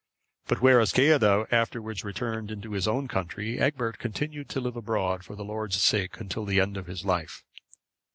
But whereas Ceadda afterwards returned into his own country, Egbert continued to live abroad for the Lord's sake till the end of his life.